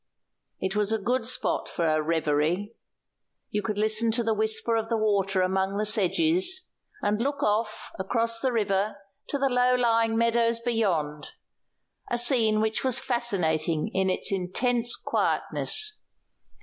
It was a good spot for a reverie. You could listen to the whisper of the water among the sedges, and look off, across the river, to the low lying meadows beyond a scene which was fascinating in its intense quietness.